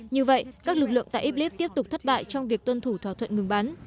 như vậy các lực lượng tại iblis tiếp tục thất bại trong việc tuân thủ thỏa thuận ngừng bắn